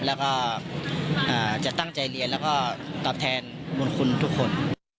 แล้วก็จะตั้งใจเรียนแล้วก็ตอบแทนบุญคุณทุกคน